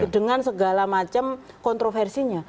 dengan segala macam kontroversinya